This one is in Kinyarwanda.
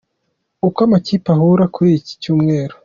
Uko amakipe ahura kuri iki cyumweru.